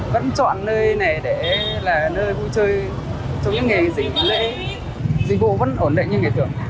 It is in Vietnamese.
vẫn chọn nơi này để là nơi vui chơi cho những ngày dịch lễ dịch vụ vẫn ổn định như ngày thường